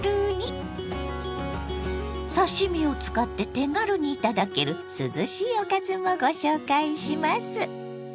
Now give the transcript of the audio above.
刺身を使って手軽に頂ける涼しいおかずもご紹介します。